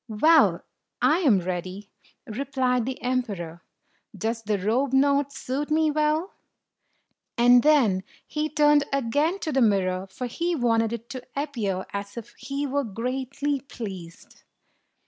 "Well, I am ready*" replied the emperor. "Does the robe not suit me well?" And then he turned again to the mirror, for he wanted it to appear as if he were greatly pleased.